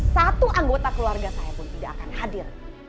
satu anggota keluarga saya pun tidak akan hadir